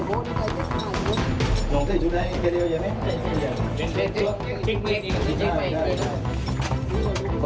ค่อยลงมาอีก